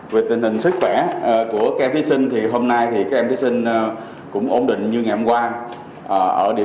về tình hình thi trong ngày